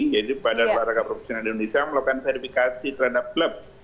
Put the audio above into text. yaitu badan para kaprofesional di indonesia melakukan verifikasi terhadap klub